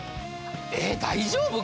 えっ大丈夫？